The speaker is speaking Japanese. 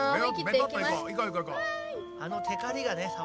あのてかりがね。